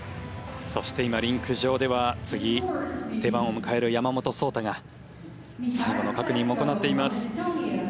そして今、リンク上では次、出番を迎える山本草太が最後の確認を行っています。